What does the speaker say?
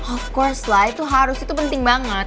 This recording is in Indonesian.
of course lah itu harus itu penting banget